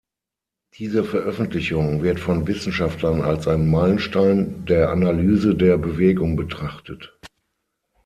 Diese Veröffentlichung wird von Wissenschaftlern als ein Meilenstein der Analyse der Bewegung betrachtet.